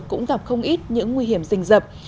cũng gặp không ít những nguy hiểm rình rập